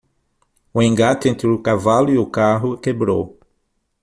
O engate entre o cavalo e o carro quebrou.